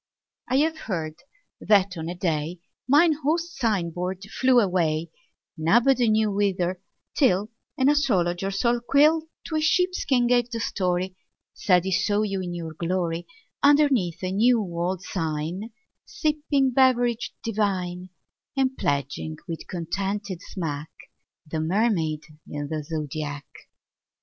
I have heard that on a day Mine host's sign board flew away, Nobody knew whither, till An astrologer's old quill To a sheepskin gave the story, Said he saw you in your glory, Underneath a new old sign Sipping beverage divine, 20 And pledging with contented smack The Mermaid in the Zodiac.